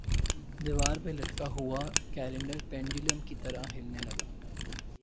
دیوار پر لٹکا ہوا کیلنڈر پنڈولم کی طرح ہلنے لگا